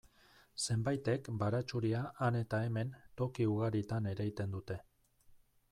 Zenbaitek baratxuria han eta hemen, toki ugaritan ereiten dute.